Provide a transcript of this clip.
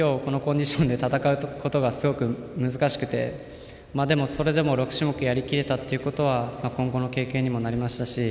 このコンディションで戦うことが難しくてそれでも６種目やりきれたことは今後の経験にもなりましたし